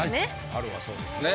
春はそうですね。